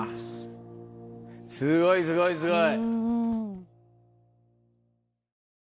すごいすごいすごい！